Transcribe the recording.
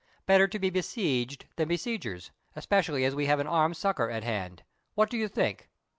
Better to be besieged than besiegers, especially as we have an armed succour at hand. What do you think